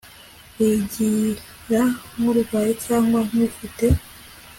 wigira nk urwaye cyangwa nk ufite